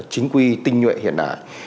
chính quy tinh nhuệ hiện đại